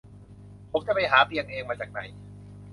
ผมจะไปหาเตียงเองมาจากไหน